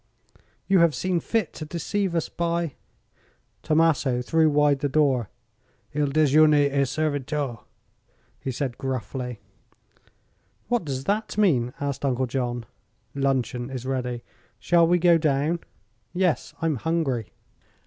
"You have seen fit to deceive us by " Tommaso threw wide the door. "Il dejuné é servito," he said gruffly. "What does that mean?" asked Uncle John. "Luncheon is ready. Shall we go down?" "Yes; I'm hungry."